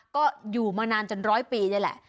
ก็อยู่มานานจนร้อยปีนี่แหละ